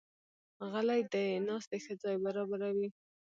غلۍ د ناستې ښه ځای برابروي.